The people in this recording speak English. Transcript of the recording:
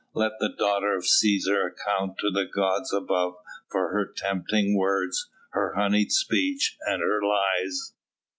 let the daughter of Cæsar account to the gods above for her tempting words, her honeyed speech and her lies."